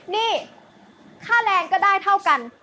นี่ค่าแรงก็ได้เท่ากัน